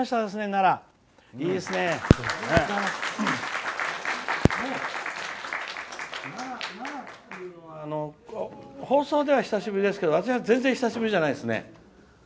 奈良っていうのは放送では久しぶりですけど私は全然久しぶりじゃないですね。